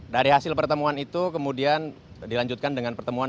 dari hasil pertemuan itu kemudian dilanjutkan dengan pertemuan